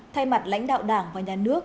thay mặt lãnh đạo đảng và nhà nước